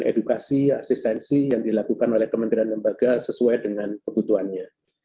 dan edukasi asistensi yang dilakukan oleh kementerian lembaga sesuai dengan kebutuhannya